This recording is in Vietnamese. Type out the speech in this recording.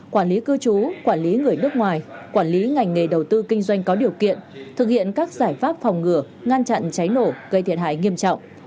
quản lý cư trú quản lý người nước ngoài quản lý ngành nghề đầu tư kinh doanh có điều kiện thực hiện các giải pháp phòng ngừa ngăn chặn cháy nổ gây thiệt hại nghiêm trọng